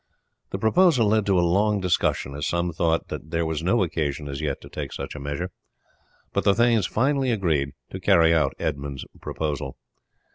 The proposal led to a long discussion, as some thought that there was no occasion as yet to take such a measure; but the thanes finally agreed to carry out Edmund's proposal.